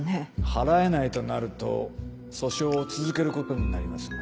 払えないとなると訴訟を続けることになりますが。